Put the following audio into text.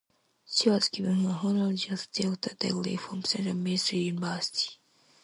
She was given an honorary Juris Doctor degree from Central Missouri University.